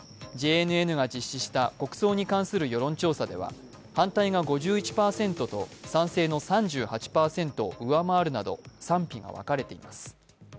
ＪＮＮが実施した国葬に関する世論調査では、反対が５１％と、賛成の３８％を上回るなど賛否が分かれています。